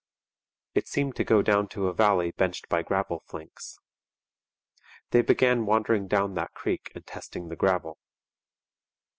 It seemed to go down to a valley benched by gravel flanks. They began wandering down that creek and testing the gravel.